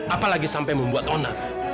apalagi sampai membuat onar